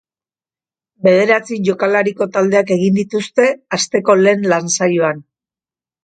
Berederatzi jokalariko taldeak egin dituzte asteko lehen lan-saioan.